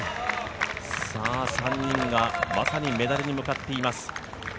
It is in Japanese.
３人がまさにメダルに向かっています。